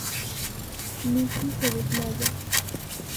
Nikki se desmaya.